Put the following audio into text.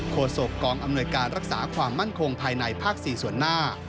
โศกกองอำนวยการรักษาความมั่นคงภายในภาค๔ส่วนหน้า